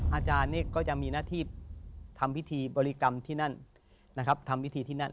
อาจารย์นี่ก็จะมีหน้าที่ทำพิธีบริกรรมที่นั่นนะครับทำพิธีที่นั่น